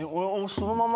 そのまま。